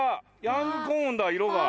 ヤングコーンだ色が。